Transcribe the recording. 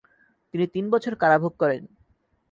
তিনি তিন বছর কারাভোগ করেন।